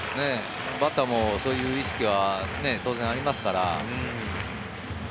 バッターもそういう意識は当然ありますから。